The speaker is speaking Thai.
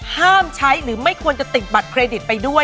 ห้ามใช้หรือไม่ควรจะติดบัตรเครดิตไปด้วย